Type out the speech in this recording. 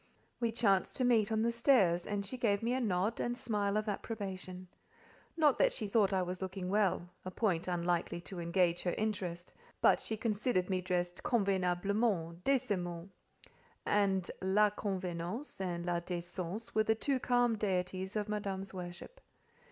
We chanced to meet on the stairs, and she gave me a nod and smile of approbation. Not that she thought I was looking well—a point unlikely to engage her interest—but she considered me dressed "convenablement," "décemment," and la Convenance et la Décence were the two calm deities of Madame's worship.